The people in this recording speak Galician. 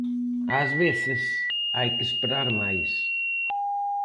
Ás veces hai que esperar máis.